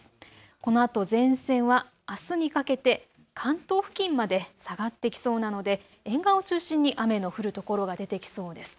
このあと前線はあすにかけて関東付近まで下がってきそうなので沿岸を中心に雨の降る所が出てきそうです。